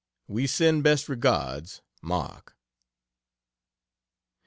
We send best regards. MARK.